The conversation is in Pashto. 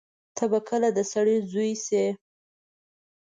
ته به کله د سړی زوی سې.